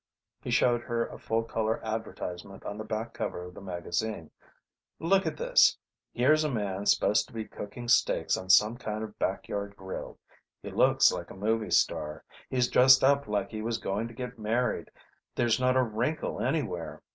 He showed her a full color advertisement on the back cover of the magazine. "Look at this. Here's a man supposed to be cooking steaks on some kind of back yard grill. He looks like a movie star; he's dressed up like he was going to get married; there's not a wrinkle anywhere.